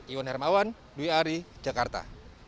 iwan hermawan dwi ari jakarta